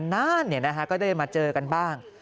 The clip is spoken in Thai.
นานก็ได้มาเจอกันบ้าง